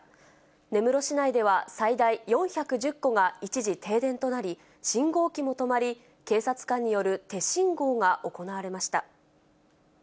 根室市内では、最大４１０戸が一時停電となり、信号機も止まり、警察官による手信号が行われました。